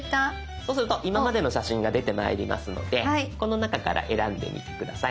そうすると今までの写真が出てまいりますのでこの中から選んでみて下さい。